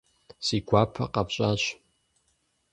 Си гуапэ къэфщӀащ.